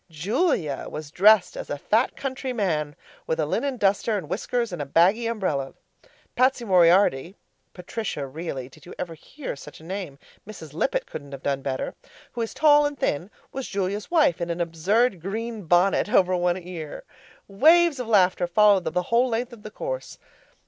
Julia was dressed as a fat country man with a linen duster and whiskers and baggy umbrella. Patsy Moriarty (Patrici really. Did you ever hear such a name? Mrs. Lippett couldn't have done better) who is tall and thin was Julia's wife in a absurd green bonnet over one ear. Waves of laughter followed them the whole length of the course.